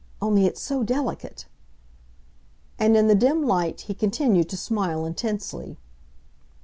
Only it's so delicate!" And, in the dim light, he continued to smile intensely.